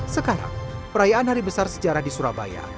sekarang perayaan hari besar sejarah di surabaya